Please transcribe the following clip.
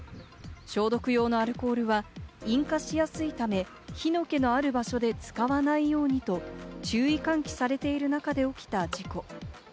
消毒用のアルコールは引火しやすいため、火の気のある場所で使わないようにと注意喚起されている中で起きた事故。